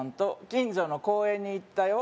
「近所の公園に行ったよ」